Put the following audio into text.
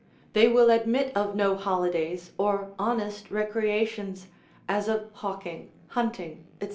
They will admit of no holidays, or honest recreations, as of hawking, hunting, &c.